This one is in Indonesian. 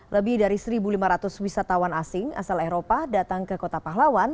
lebih dari satu lima ratus wisatawan asing asal eropa datang ke kota pahlawan